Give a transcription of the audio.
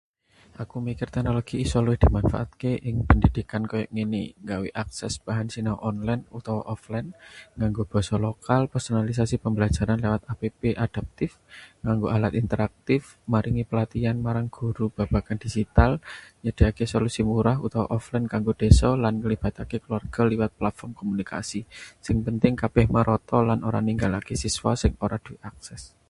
Aku mikir teknologi isa luwih dimanfaatke ing pendidikan koyo ngene: nggawe akses bahan sinau online utawa offline nganggo basa lokal, personalisasi pembelajaran lewat app adaptif, nganggo alat interaktif, maringi pelatihan marang guru babagan digital, nyediakke solusi murah utawa offline kanggo desa, lan nglibataké keluarga liwat platform komunikasi. Sing penting kabeh merata lan ora ninggalake siswa sing ora duwe akses.